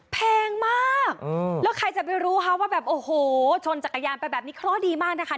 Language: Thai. แพงมากแล้วใครจะไปรู้ค่ะว่าแบบโอ้โหชนจักรยานไปแบบนี้เคราะห์ดีมากนะคะ